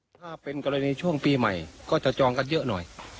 ถ้าเป็นกรณีช่วงปีใหม่ก็จะจองกันเยอะหน่อย